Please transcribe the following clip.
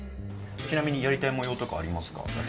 ちなみに、やりたい模様とかありますか。